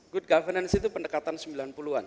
good governance itu pendekatan sembilan puluh an